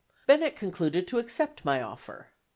Bennett concluded to accept my offer.